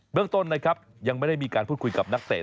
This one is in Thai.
เรื่องต้นนะครับยังไม่ได้มีการพูดคุยกับนักเตะ